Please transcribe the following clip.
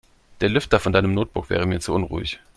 Der Lüfter von deinem Notebook wäre mir zu unruhig.